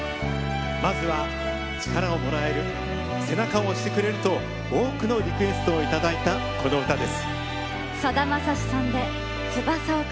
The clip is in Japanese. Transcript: まずは力をもらえる背中を押してくれると多くのリクエストをいただいたこの歌からです。